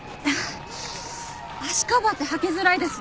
足カバーって履きづらいですね。